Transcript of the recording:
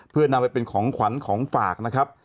เพื่อนำไปเป็นของขวัญของฝากนะครับ